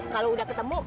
kalau udah ketemu